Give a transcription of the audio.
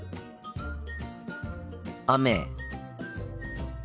雨。